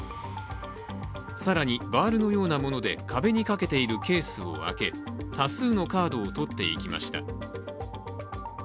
更に、バールのようなもので壁にかけているケースを開け、多数のカードをとっていきました。